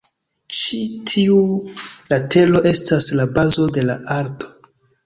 Ĉi tiu latero estas la "bazo" de la alto.